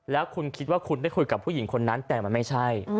แล้วคุณคิดว่าคุณได้คุยกับผู้หญิงคนนั้นแต่มันไม่ใช่